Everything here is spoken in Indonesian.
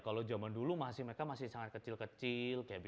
kalau zaman dulu mereka masih sangat kecil kecil